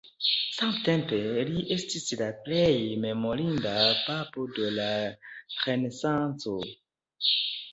Samtempe li estis la plej memorinda papo de la renesanco.